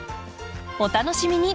お楽しみに。